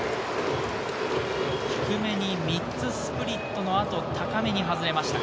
低めに３つ、スプリットの後、高めに外れました。